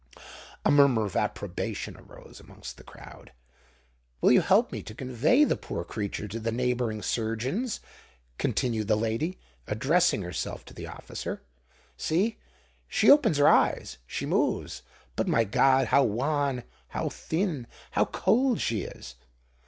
A murmur of approbation arose amongst the crowd. "Will you help me to convey the poor creature to the neighbouring surgeon's?" continued the lady, addressing herself to the officer. "See—she opens her eyes—she moves—but, my God! how wan, how thin, how cold she is!"